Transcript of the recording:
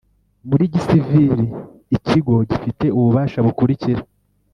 Muri gisivili Ikigo gifite ububasha bukurikira